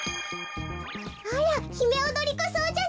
あらヒメオドリコソウじゃない！